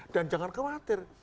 dan jangan khawatir